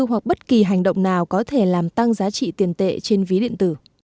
hoặc bất kỳ hành động nào có thể làm tăng giá trị tiền tệ trên ví điện tử